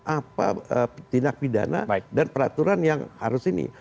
apa tindak pidana dan peraturan yang harus ini